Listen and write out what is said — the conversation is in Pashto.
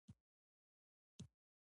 کروندګر د ژمي سختۍ زغمي